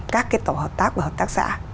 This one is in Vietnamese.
các cái tổ hợp tác và hợp tác xã